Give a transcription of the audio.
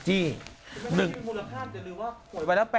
จริงหนึ่งมันมีมูลค่าแต่รู้ว่า